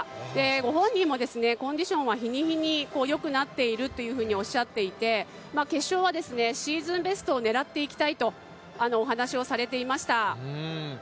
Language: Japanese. ご本人もコンディションは日に日によくなっているとおっしゃっていて、決勝はシーズンベストを狙っていきたいとお話をされていました。